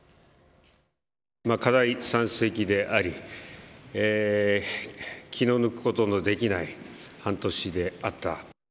課題山積であり、気の抜くことのできない半年であった。